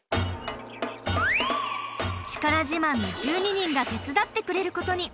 力自慢の１２人が手伝ってくれることに。